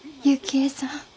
雪衣さん？